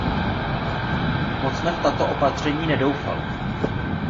Moc jsme v tato opatření nedoufali.